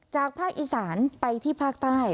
จากภาคอีสานไปที่ภาคใต้